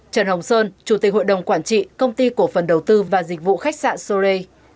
trần hồng sơn chủ tịch hội đồng quản trị công ty cổ phần đầu tư và dịch vụ khách sạn sore